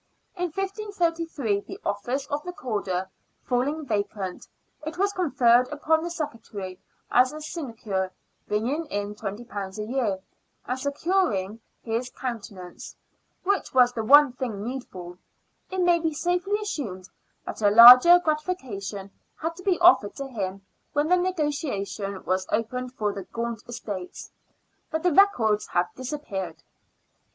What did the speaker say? In 1533, the office of Recorder falling vacant, it was conferred upon the Secretary as a sinecure, bringing in £20 a year, and securing his countenance, which was the one thing needful. It may be safely assumed that a larger gratification had to be offered to him when the negotiation was opened for the Gaunt estates, but the records have disappeared.